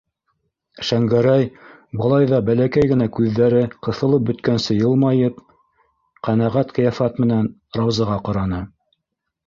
- Шәңгәрәй, былай ҙа бәләкәй генә күҙҙәре ҡыҫылып бөткәнсе йылмайып, ҡәнәғәт ҡиәфәт менән Раузаға ҡараны.